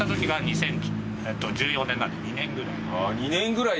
２年ぐらい。